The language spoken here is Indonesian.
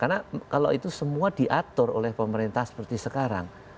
karena kalau itu semua diatur oleh pemerintah seperti sekarang